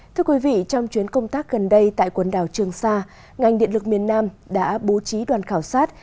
thưa quý vị trong chuyến công tác gần đây tại quần đảo trường sa ngành điện lực miền nam đã bố trí đoàn khảo sát